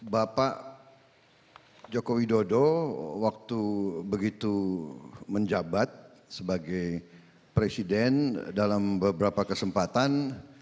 bapak joko widodo waktu begitu menjabat sebagai presiden dalam beberapa kesempatan